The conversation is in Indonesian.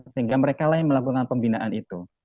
sehingga mereka lain melakukan pembinaan itu